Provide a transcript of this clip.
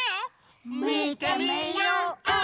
みてみよう！